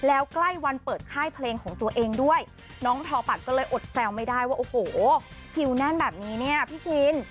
แล้วใกล้วันเปิดค่ายเพลงของตัวเองด้วยน้องทอปัดก็เลยอดแซวไม่ได้ว่าโอ้โหคิวแน่นแบบนี้เนี่ยพี่ชิน